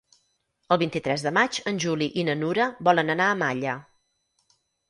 El vint-i-tres de maig en Juli i na Nura volen anar a Malla.